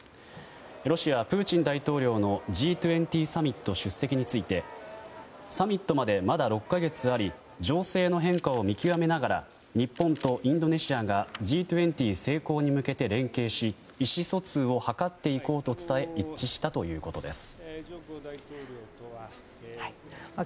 ロシア、プーチン大統領のＧ２０サミット出席についてサミットまでまだ６か月あり情勢の変化を見極めながら日本とインドネシアがＧ２０成功に向けて連携し意思疎通を図っていこうと伝え一致したということです。